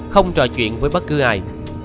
không trò chuyện với bất cứ ai